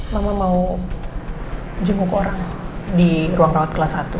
mama mau jenguk orang di ruang rawat kelas satu